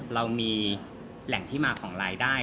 เรามีแหล่งที่มาของรายได้